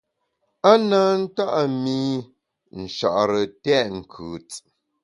A na nta’ mi Nchare tèt nkùt.